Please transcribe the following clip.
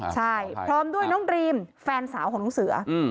ใช่พร้อมด้วยน้องดรีมแฟนสาวของน้องเสือ